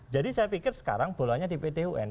jadi saya pikir sekarang bolanya di pt un